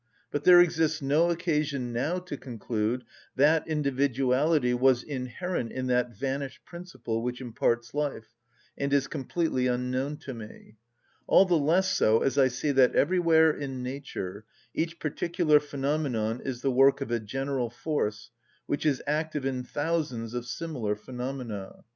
But there exists no occasion now to conclude that individuality was inherent in that vanished principle, which imparts life, and is completely unknown to me; all the less so as I see that everywhere in nature each particular phenomenon is the work of a general force which is active in thousands of similar phenomena.